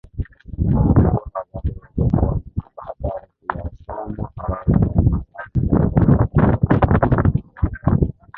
kumchukua wakati wote kuwa mtu hatari Pia Soma Orodha ya marais waliozeekea Ikulu wakiongoza